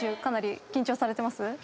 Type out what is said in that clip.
かなり緊張されてます？